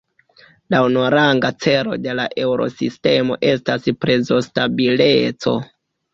La unuaranga celo de la Eŭrosistemo estas prezostabileco.